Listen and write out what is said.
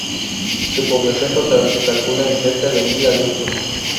Su población total se calcula en cerca de mil adultos.